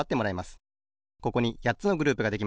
ここにやっつのグループができました。